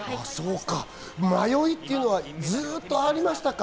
迷いというのはずっとありましたか？